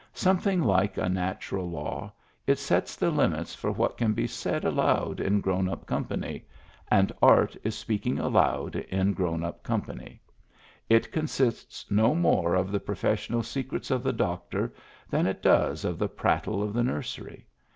Something like a natural law, it sets the limits for what can be said aloud in grown up company — and Art is speaking aloud in grown up company; it consists no more of the profes sional secrets of the doctor than it does of the prattle of the nursery.